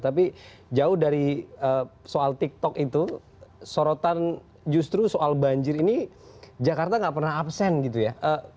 tapi jauh dari soal tiktok itu sorotan justru soal banjir ini jakarta nggak pernah absen gitu ya